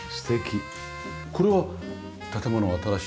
これは建物を新しく。